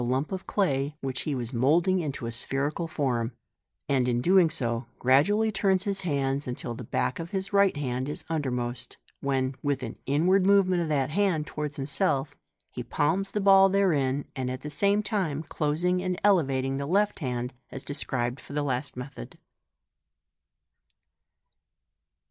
urap of clay which he was moulding into a spherical form} and .n so doing gradually turns his hands till the back of his right hand is undermost, when, with an inward movement of that hand towards himself, he palms the ball therein, at the same time closing and elevating the left hand, as described for the last method.